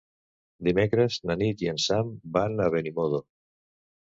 Dimecres na Nit i en Sam van a Benimodo.